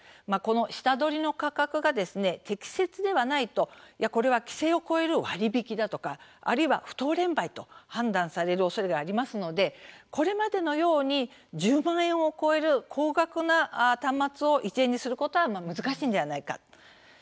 下取り価格が適切ではないと規制を超える割引きだとか不当廉売と判断されるおそれがありますのでこれまでのように１０万円を超える高額な機種を１円にすることは難しいのではないか。